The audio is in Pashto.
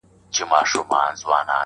چي څوک روژه خوري ورته ګوري دوږخونه عذاب -